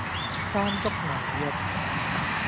山竹牛肉